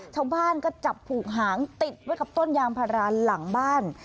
ชาวบ้านก็จับผูกหางติดไว้กับต้นยางพาราหลังบ้าน